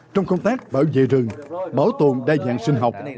trong công tác bảo vệ rừng bảo tồn đa dạng sinh học